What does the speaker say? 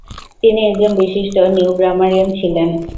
তিনি একজন বিশিষ্ট নিওগ্রামারিয়ান ছিলেন।